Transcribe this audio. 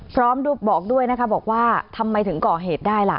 พร้อมบอกด้วยนะคะบอกว่าทำไมถึงก่อเหตุได้ล่ะ